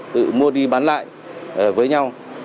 tự mua đi bán lại với nhau